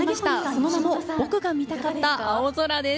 その名も僕が見たかった青空です。